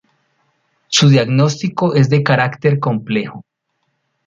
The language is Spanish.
Su diagnóstico es de carácter complejo.